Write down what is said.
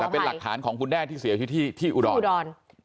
เป็นหลักฐานของคุณแดนที่เสียพิธีที่อุดร